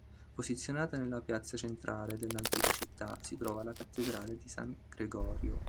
Posizionata nella piazza centrale dell'antica città, si trova la cattedrale di San Gregorio.